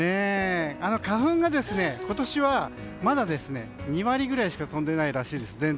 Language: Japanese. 花粉が今年はまだ２割ぐらいしか飛んでないらしいです。